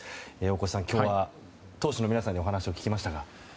大越さん、今日は党首の皆さんにお話を聞きましたが。